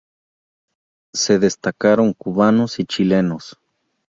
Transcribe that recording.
Se destacaron cubanos y chilenos.